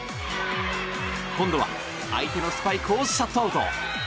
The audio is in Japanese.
今度は、相手のスパイクをシャットアウト！